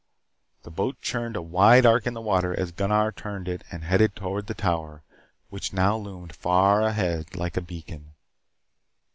The boat churned a wide arc in the water as Gunnar turned it and headed toward the Tower, which now loomed far ahead like a beacon.